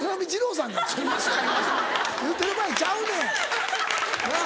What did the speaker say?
言うてる場合ちゃうねんなぁ。